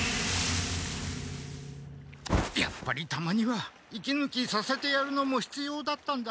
やっぱりたまには息ぬきさせてやるのもひつようだったんだ。